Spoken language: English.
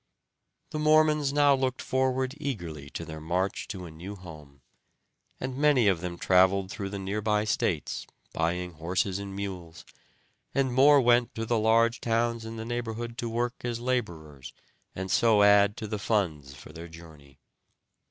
The Mormons now looked forward eagerly to their march to a new home, and many of them traveled through the near by states, buying horses and mules, and more went to the large towns in the neighborhood to work as laborers and so add to the funds for their journey.